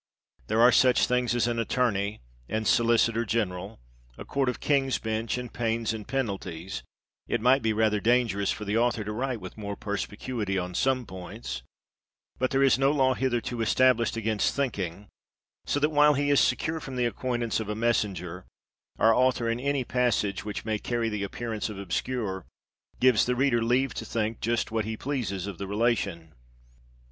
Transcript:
There are such things as an Attorney, and Solicitor General, a Court of King's Bench, and pains and penalties, it might be rather dangerous for the author to write with more perspicuity on some points, but there is no law hitherto established against thinking, so that while he is secure from the acquaintance of a Messenger, our author in any passage which may carry the appearance of obscure, gives the reader leave to think just what he pleases of the relation.